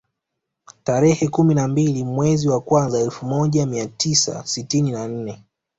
Tarehe kumi na mbili mwezi wa kwanza elfu moja mia tisa sitini na nne